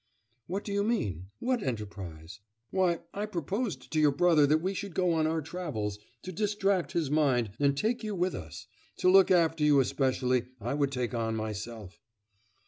'What do you mean? What enterprise?' 'Why, I proposed to your brother that we should go on our travels, to distract his mind, and take you with us. To look after you especially I would take on myself....